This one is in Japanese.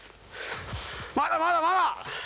まだまだまだ！